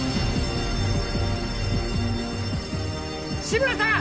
志村さん！